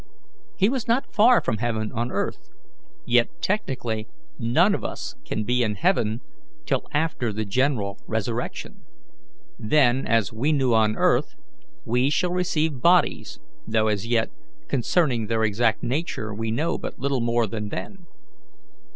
"He was not far from heaven on earth, yet technically none of us can be in heaven till after the general resurrection. Then, as we knew on earth, we shall receive bodies, though, as yet, concerning their exact nature we know but little more than then.